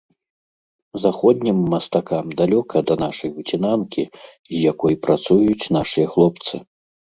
Заходнім мастакам далёка да нашай выцінанкі, з якой працуюць нашыя хлопцы.